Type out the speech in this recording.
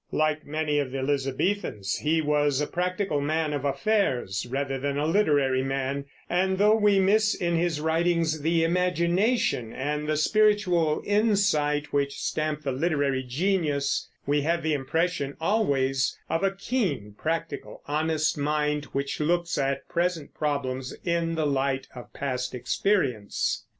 Like many of the Elizabethans, he was a practical man of affairs rather than a literary man, and though we miss in his writings the imagination and the spiritual insight which stamp the literary genius, we have the impression always of a keen, practical, honest mind, which looks at present problems in the light of past experience.